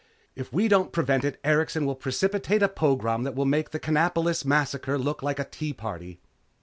If we don't prevent it, Erikson will precipitate a pogrom that will make the Canalopolis massacre look like a tea party."